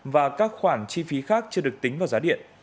và các khoản chi phí khác chưa được tính vào giá điện